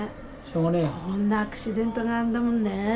こんなアクシデントがあんだもんね。